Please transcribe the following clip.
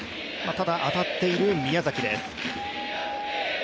ただ当たっている宮崎です。